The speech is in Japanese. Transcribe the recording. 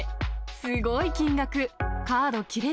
すごい金額。